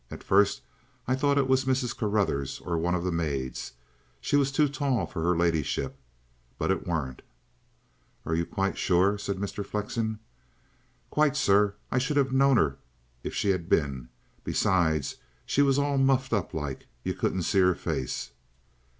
At first I thought it was Mrs. Carruthers, or one of the maids she were too tall for her ladyship but it warn't." "Are you quite sure?" said Mr. Flexen. "Quite, sir. I should have known 'er if she had been. Besides, she was all muffled up like. You couldn't see 'er face."